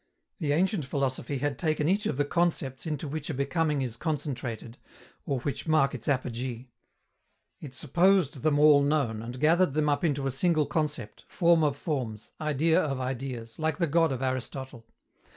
The ancient philosophy had taken each of the concepts into which a becoming is concentrated or which mark its apogee: it supposed them all known, and gathered them up into a single concept, form of forms, idea of ideas, like the God of Aristotle.